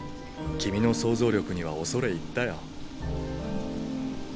君の想像力には恐れ入ったよ。